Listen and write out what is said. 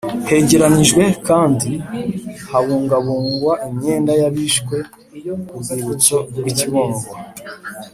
Hegeranyijwe kandi habungabungwa imyenda y’abishwe ku rwibutso rw’i Kibungo